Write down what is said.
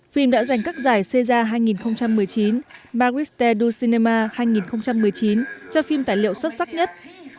phim đã giành các giải césar hai nghìn một mươi chín maristé du cinéma hai nghìn một mươi chín cho phim tài liệu xuất sắc nhất